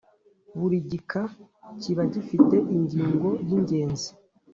Buri gika kiba gifite ingingo y’ingenzi